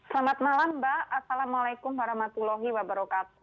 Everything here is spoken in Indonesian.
selamat malam mbak assalamualaikum warahmatullahi wabarakatuh